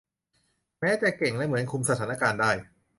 แม้จะเก่งและเหมือนคุมสถานการณ์ได้